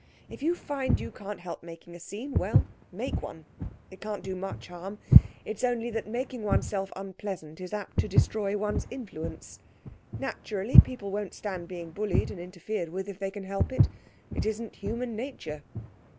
If you find you can't help making a scene, well, make one. It can't do much harm. It's only that making oneself unpleasant is apt to destroy one's influence. Naturally, people won't stand being bullied and interfered with if they can help it. It isn't human nature.'